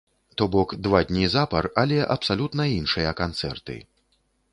То бок два дні запар, але абсалютна іншыя канцэрты.